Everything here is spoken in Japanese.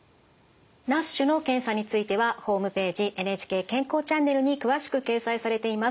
ＮＡＳＨの検査についてはホームページＮＨＫ「健康チャンネル」に詳しく掲載されています。